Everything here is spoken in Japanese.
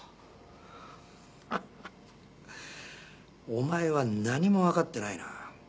お前は何もわかってないなあ。